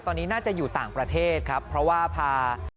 ตอนนี้น่าจะอยู่ต่างประเทศครับเพราะว่าพา